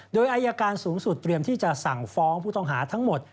โดยอายการสูงสุดเตรียมที่จะสั่งฟ้องผู้ต้องหาทั้งหมด